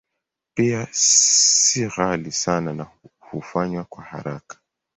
Pia si ghali sana na hufanywa kwa haraka.